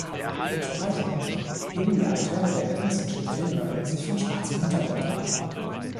Entsprechend heben die Akteure der Edison’schen Filme sich von schwarzem Hintergrund ab.